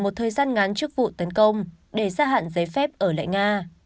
một thời gian ngắn trước vụ tấn công để gia hạn giấy phép ở lại nga